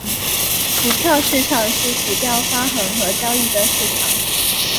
股票市场是股票发行和交易的场所。